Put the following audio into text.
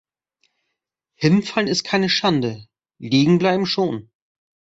Hinfallen ist keine Schande, Liegenbleiben schon!